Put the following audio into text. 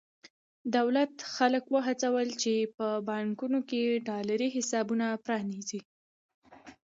دولت خلک وهڅول چې په بانکونو کې ډالري حسابونه پرانېزي.